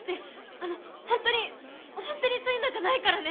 あの本当に本当にそういうのじゃないからね。